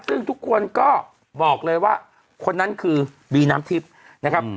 ซึ่งทุกคนก็บอกเลยว่าคนนั้นคือบีน้ำทิพย์นะครับ